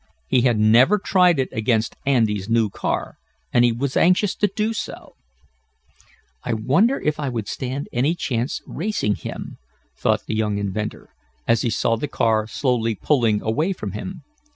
He had never tried it against Andy's new car, and he was anxious to do so. "I wonder if I would stand any chance, racing him?" thought the young inventor, as he saw the car slowly pulling away from him.